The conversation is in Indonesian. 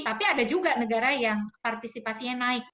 tapi ada juga negara yang partisipasinya naik